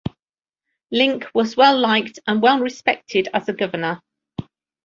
Link was well liked and well respected as a governor.